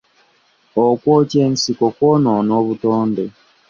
Okwokya ensiko kwonona obutonde.